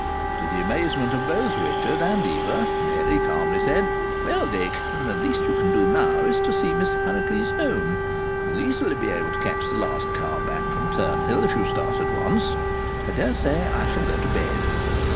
To the amazement of both Richard and Eva, Mary calmly said: "Well, Dick, the least you can do now is to see Miss Harracles home. You'll easily be able to catch the last car back from Turnhill if you start at once. I daresay I shall go to bed."